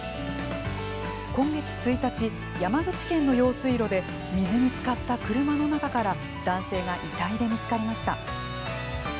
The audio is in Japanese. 今月１日、山口県の用水路で水につかった車の中から男性が遺体で見つかりました。